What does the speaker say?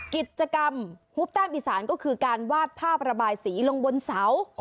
กิจกรรมฮุบแต้มอีสานก็คือการวาดภาพระบายสีลงบนเสา